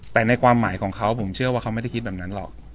แต่ในความหมายของเขาผมเชื่อว่าเขาไม่ได้คิดแบบนั้นหรอก